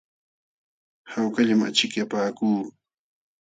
Hawkallam achikyapaakuu.